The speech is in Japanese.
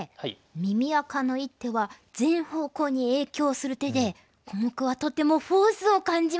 耳赤の一手は全方向に影響する手でコモクはとてもフォースを感じました。